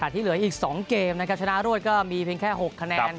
ที่เหลืออีก๒เกมนะครับชนะรวดก็มีเพียงแค่๖คะแนน